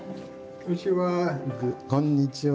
こんにちは。